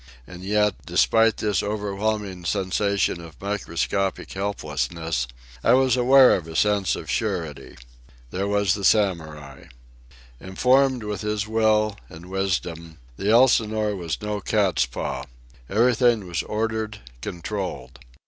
And yet, despite this overwhelming sensation of microscopic helplessness, I was aware of a sense of surety. There was the Samurai. Informed with his will and wisdom, the Elsinore was no cat's paw. Everything was ordered, controlled.